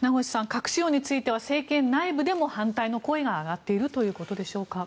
核使用については、政権内部でも上がっているということでしょうか。